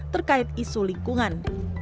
terkait isu lingkungan